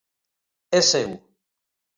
É seu.